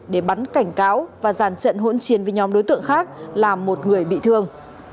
để bắn cảnh cáo và giàn trận hỗn chiến với nhóm đối tượng khác làm một người bị thương